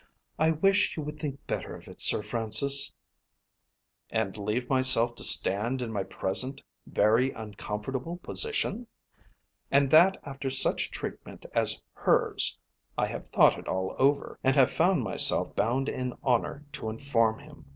I wish you would think better of it, Sir Francis." "And leave myself to stand in my present very uncomfortable position! And that after such treatment as hers. I have thought it all over, and have found myself bound in honour to inform him.